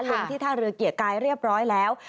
ลงที่ท่าเรือเกียรติกายเรียบร้อยแล้ว